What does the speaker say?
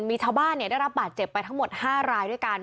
มีชาวบ้านได้รับบาดเจ็บไปทั้งหมด๕รายด้วยกัน